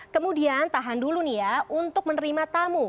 kemudian tahan dulu nih ya untuk menerima tamu